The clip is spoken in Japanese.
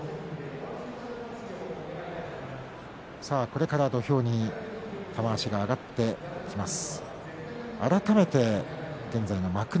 これから土俵に玉鷲が上がってきます。